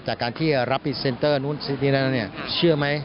จากการที่รับพรีเซนเตอร์นู่นนี่นั่นเนี่ยเชื่อไหม